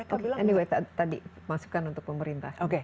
anyway tadi masukan untuk pemerintah